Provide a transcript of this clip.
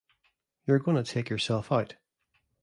You're gonna take yourself out.